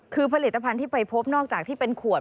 คือผลิตภัณฑ์ที่ไปพบนอกจากที่เป็นขวด